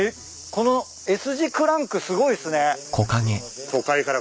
このＳ字クランクすごいっすね。